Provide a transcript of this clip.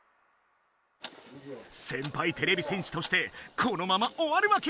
先輩てれび戦士としてこのまま終わるわけにはいかない！